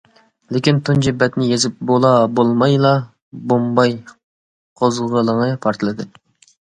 لېكىن تۇنجى بەتنى يېزىپ بولا-بولمايلا بومباي قوزغىلىڭى پارتلىدى.